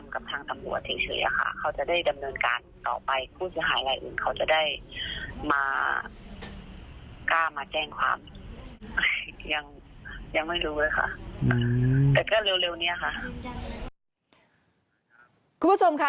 คุณผู้ชมค่ะ